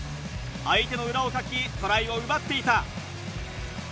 相手の裏をかきトライを奪っていた。